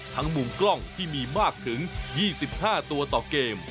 มุมกล้องที่มีมากถึง๒๕ตัวต่อเกม